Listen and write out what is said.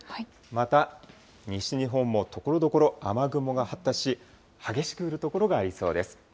また西日本もところどころ雨雲が発達し、激しく降る所がありそうです。